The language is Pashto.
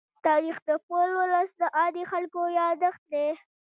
تاریخ د خپل ولس د عادي خلکو يادښت دی.